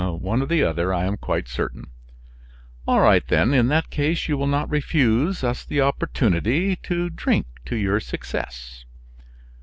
"One or the other, I am quite certain." "All right then. In that case you will not refuse us the opportunity to drink to your success."